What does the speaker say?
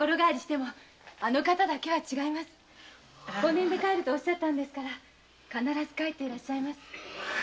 五年で帰ると申されたんですから必ず帰っていらっしゃいます。